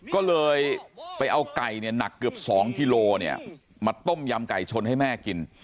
ก็เลยไปเอาไก่เนี่ยหนักเกือบ๒กิโลมาต้มยำไก่ชนให้แม่กิน